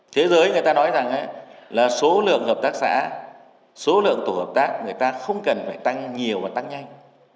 thế giới người ta nói rằng là số lượng hợp tác xã số lượng tổ hợp tác người ta không cần phải tăng nhiều và tăng nhanh